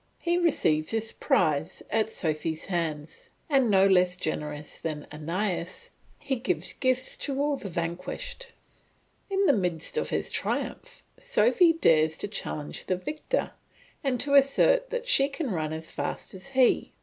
He receives his prize at Sophy's hands, and no less generous than Aeneas, he gives gifts to all the vanquished. In the midst of his triumph, Sophy dares to challenge the victor, and to assert that she can run as fast as he.